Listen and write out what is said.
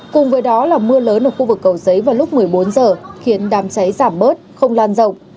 cùng với đó là mưa lớn ở khu vực cầu giấy vào lúc một mươi bốn h khiến đám cháy giảm bớt không lan rộng